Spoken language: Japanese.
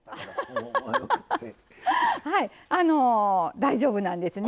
大丈夫なんですね。